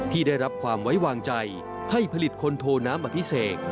ที่ได้รับความไว้วางใจให้ผลิตคนโทน้ำอภิเษก